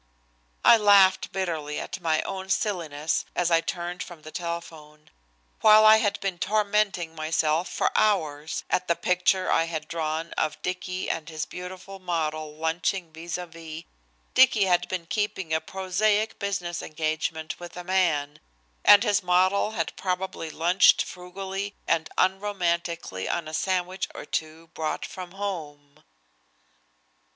I laughed bitterly at my own silliness as I turned from the telephone. While I had been tormenting myself for hours at the picture I had drawn of Dicky and his beautiful model lunching vis a vis, Dicky had been keeping a prosaic business engagement with a man, and his model had probably lunched frugally and unromantically on a sandwich or two brought from home.